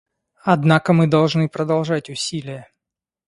Однако мы должны продолжать усилия.